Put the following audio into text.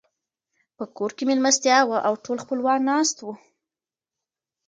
په کور کې مېلمستيا وه او ټول خپلوان ناست وو.